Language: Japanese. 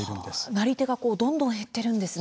なり手が、こうどんどん減ってるんですね。